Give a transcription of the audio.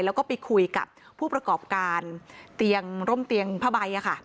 แล้วก็ไปคุยกับผู้ประกอบการเตียงร่มเตียงผ้าใบ